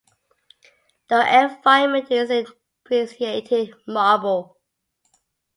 The environment is in brecciated marble.